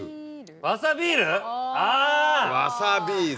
わさビール？